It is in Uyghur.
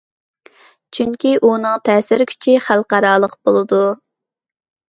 چۈنكى، ئۇنىڭ تەسىر كۈچى خەلقئارالىق بولىدۇ.